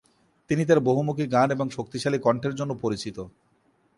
তিনি তার বহুমুখী গান এবং শক্তিশালী কণ্ঠের জন্য পরিচিত।